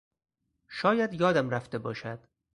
شاید یادم رفته باشد.